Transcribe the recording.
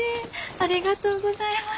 ありがとうございます。